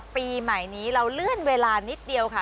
ปีใหม่นี้เราเลื่อนเวลานิดเดียวค่ะ